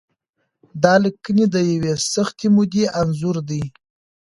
دا لیکنې د یوې سختې مودې انځور دی.